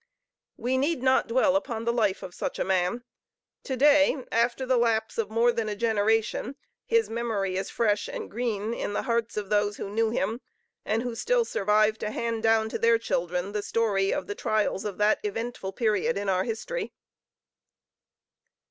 We need not dwell upon the life of such a man. To day, after the lapse of more than a generation, his memory is fresh and green in the hearts of those who knew him, and who still survive to hand down to their children the story of the trials of that eventful period in our history.